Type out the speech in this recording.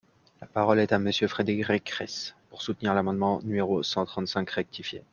La parole est à Monsieur Frédéric Reiss, pour soutenir l’amendement numéro cent trente-cinq rectifié.